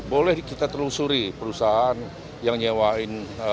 boleh kita telusuri perusahaan yang nyewain